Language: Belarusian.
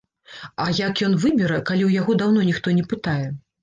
А як ён выбера, калі ў яго даўно ніхто не пытае.